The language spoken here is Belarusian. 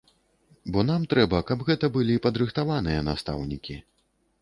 Бо нам трэба, каб гэта былі падрыхтаваныя настаўнікі.